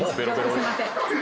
すいません」